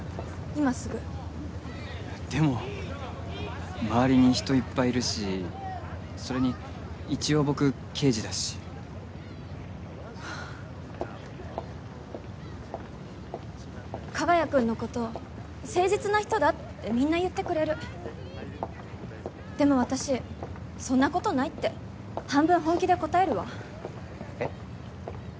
今すぐでも周りに人いっぱいいるしそれに一応僕刑事だしはぁ加賀谷君のこと誠実な人だってみんな言ってくれるでも私「そんなことない」って半分本気で答えるわえっ？